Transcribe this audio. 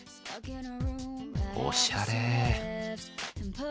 おしゃれ。